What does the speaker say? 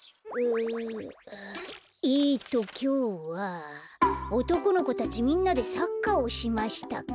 えっときょうは「おとこの子たちみんなでサッカーをしました」か。